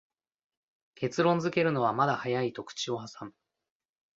結論づけるのはまだ早いと口をはさむ